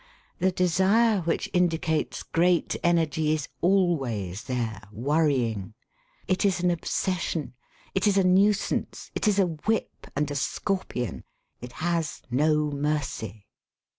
The desire which indicates great energy is always there, worrying. It is an obsession; it is a nui sance, it is a whip and a scorpion ; it has no mercy.